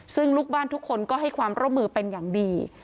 ซึ่งลูกบ้านทุกคนก็ให้ความร่วมมือเป็นอย่างดี